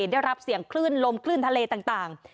ได้รับเสียงคลื่นลมคลื่นทะเลต่าง